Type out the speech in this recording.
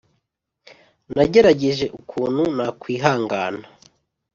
nagerageje ukuntu nakwihangana